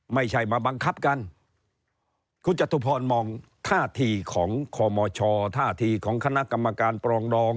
ไม่ใช่มาบังคับกันคุณจตุพรมองท่าทีของคมชท่าทีของคณะกรรมการปรองดอง